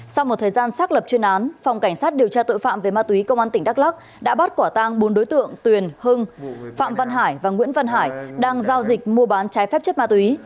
sau một thời gian xác lập chuyên án phòng cảnh sát điều tra tội phạm về ma túy công an tỉnh đắk lắc đã bắt quả tang bốn đối tượng tuyền hưng phạm văn hải và nguyễn văn hải đang giao dịch mua bán trái phép chất ma túy